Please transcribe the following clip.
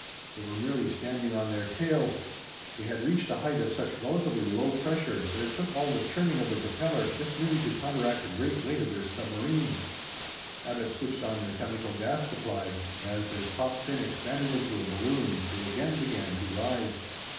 They were merely standing on their tail. They had reached a height of such relatively low pressure that it took all the churning of their propeller just merely to counteract the great weight of their submarine. Abbot switched on their chemical gas supply, and as their top fin expanded into a balloon they again began to rise.